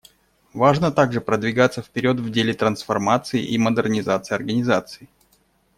Важно также продвигаться вперед в деле трансформации и модернизации Организации.